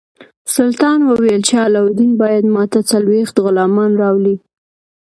سلطان وویل چې علاوالدین باید ماته څلوېښت غلامان راولي.